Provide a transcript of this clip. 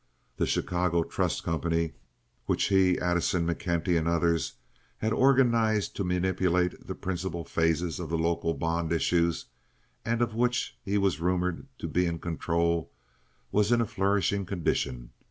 The Chicago Trust Company, which he, Addison, McKenty, and others had organized to manipulate the principal phases of the local bond issues, and of which he was rumored to be in control, was in a flourishing condition.